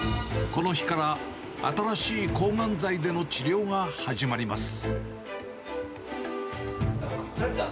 この日から、新しい抗がん剤での治療が始まります。